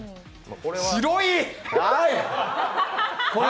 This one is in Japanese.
白い！